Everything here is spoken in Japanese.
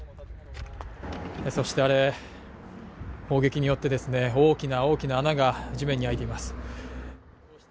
そして、あれ、砲撃によって大きな大きな穴が地面に開いています。